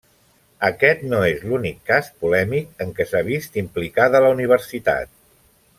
Aquest no és l'únic cas polèmic en què s'ha vist implicada la Universitat.